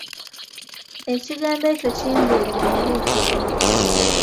Ekigambo ekyo kimbuulire mu bujjuvu.